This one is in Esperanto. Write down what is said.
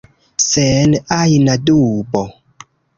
Sen ajna dubo.